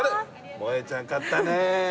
もえちゃん買ったねえ！